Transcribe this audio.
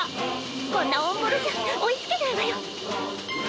こんなオンボロじゃ追いつけないわよ。